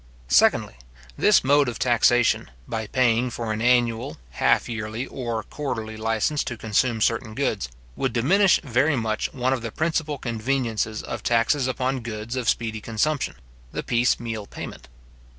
Secondly, this mode of taxation, by paying for an annual, half yearly, or quarterly licence to consume certain goods, would diminish very much one of the principal conveniences of taxes upon goods of speedy consumption; the piece meal payment.